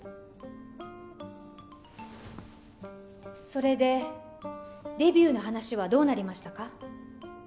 それでデビューの話はどうなりましたか？